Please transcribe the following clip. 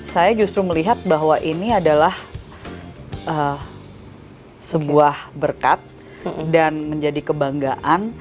saya justru melihat bahwa ini adalah sebuah berkat dan menjadi kebanggaan